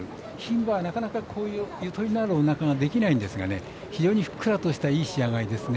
牝馬は、なかなかゆとりのある、おなかはできないんですが非常にふっくらとしたいい仕上がりですね。